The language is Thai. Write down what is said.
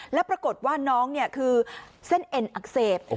แล้วปรากฏว่าน้องคือเส้นเอ็นอักเสบ